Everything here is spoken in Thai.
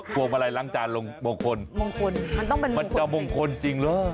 พวงมาลัยล้างจานมงคลมันจะมงคลจริงหรอ